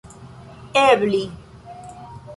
ebli